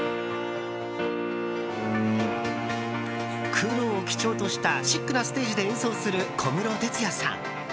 黒を基調としたシックなステージで演奏する小室哲哉さん。